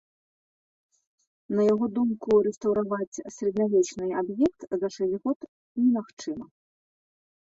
На яго думку рэстаўраваць сярэднявечны аб'ект за шэсць год немагчыма.